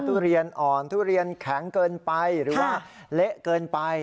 ทุเรียนอ่อนทุเรียนแข็งเกินไปหรือว่าเละเกินไป